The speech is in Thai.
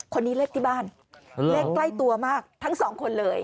คนนี้เลขที่บ้านเลขใกล้ตัวมากทั้งสองคนเลย